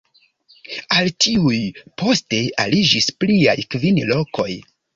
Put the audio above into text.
Al tiuj poste aliĝis pliaj kvin lokoj.